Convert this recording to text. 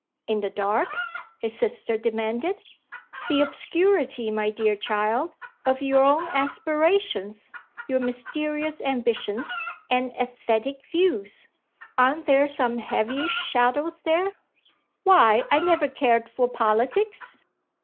"In the dark?" his sister demanded. "The obscurity, my dear child, of your own aspirations, your mysterious ambitions and esthetic views. Aren't there some heavyish shadows there?" "Why I never cared for politics."